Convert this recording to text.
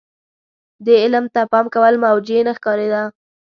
دې علم ته پام کول موجه نه ښکارېده.